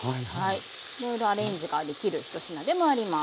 いろいろアレンジができる１品でもあります。